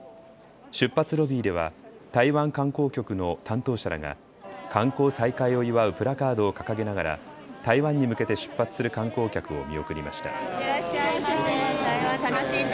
出発ロビーでは台湾観光局の担当者らが観光再開を祝うプラカードを掲げながら台湾に向けて出発する観光客を見送りました。